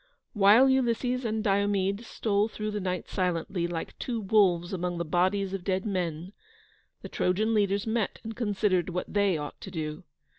While Ulysses and Diomede stole through the night silently, like two wolves among the bodies of dead men, the Trojan leaders met and considered what they ought to do.